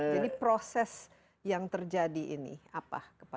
jadi proses yang terjadi ini apa kepada tubuh kita